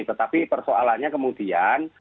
tetapi persoalannya kemudian